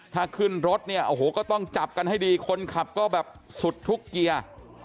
ถ้าขึ้นรถเนี่ยโอ้โหก็ต้องจับกันให้ดีคนขับก็แบบสุดทุกเกียร์